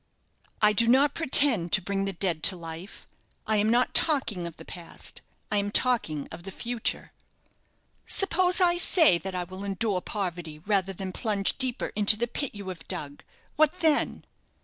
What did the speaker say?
"I do not pretend to bring the dead to life. I am not talking of the past I am talking of the future." "Suppose I say that I will endure poverty rather than plunge deeper into the pit you have dug what then?"